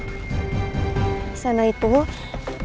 banyak nama tahan